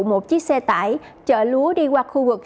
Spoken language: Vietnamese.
một chiếc xe tải chở lúa đi qua khu vực